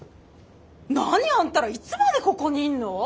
何あんたらいつまでここにいんの！？